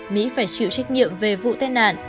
mỹ phải chịu trách nhiệm về vụ tai nạn